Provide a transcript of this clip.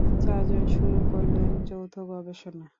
চারজন শুরু করলেন যৌথ গবেষণা।